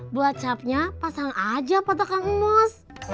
buat capnya pasang aja pak taka emus